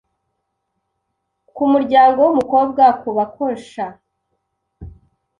ku muryango w’umukobwa kubakosha,